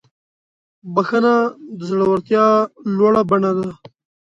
بخښنه د زړورتیا لوړه بڼه ده.